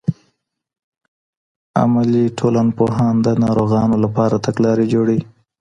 عملي ټولنپوهان د ناروغانو لپاره تګلارې جوړوي.